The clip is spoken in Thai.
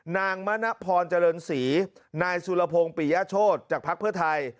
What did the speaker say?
นางมณพรเจริญศรีนายสุรพงศ์ปิยโชธจากภักดิ์เพื่อไทย